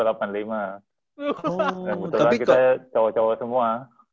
dan kebetulan kita cowok cowok semua